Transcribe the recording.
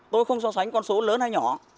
tôi không so sánh con số lớn hay nhỏ